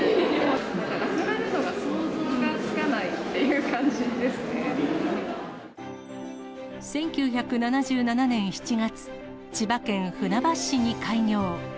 なくなるのが想像がつかない１９７７年７月、千葉県船橋市に開業。